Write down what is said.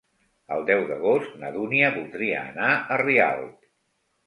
El deu d'agost na Dúnia voldria anar a Rialp.